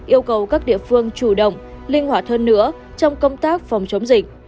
yêu cầu các địa phương chủ động linh hoạt hơn nữa trong công tác phòng chống dịch